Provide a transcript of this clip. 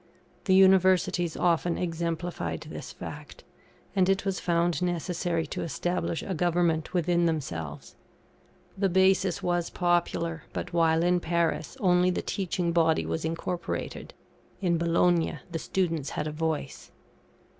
The Universities often exemplified this fact; and it was found necessary to establish a government within themselves. The basis was popular; but, while, in Paris, only the teaching body was incorporated, in Bologna, the students had a voice.